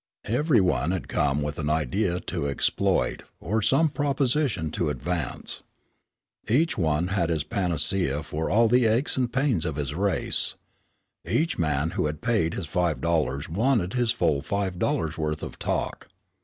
Every one had come with an idea to exploit or some proposition to advance. Each one had his panacea for all the aches and pains of his race. Each man who had paid his five dollars wanted his full five dollars' worth of talk.